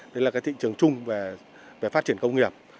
đấy là cái thị trường chung về phát triển công nghiệp